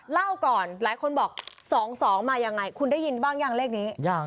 เล่าก่อนหลายคนบอก๒๒มายังไงคุณได้ยินบ้างยังเลขนี้